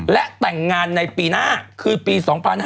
และแต่งงานในปีหน้าคือปี๒๕๕๙